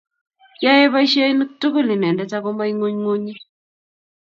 Yaey boisyonik tukul inendet ako mai ng'unyng'unyi.